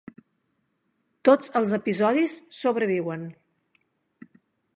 Tots els episodis sobreviuen.